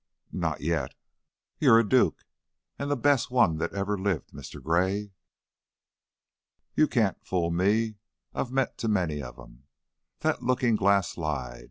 "N not yet." "You're a duke, an' the best one that ever lived, Mr. Gray. You can't fool me; I've met too many of 'em. That lookin' glass lied!